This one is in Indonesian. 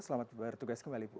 selamat bertergai kembali ibu